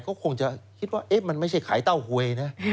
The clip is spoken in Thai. ก็คงจะคิดว่ามันไม่ใช่ขายเต้าหวยนะ